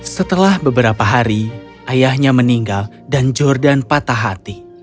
setelah beberapa hari ayahnya meninggal dan jordan patah hati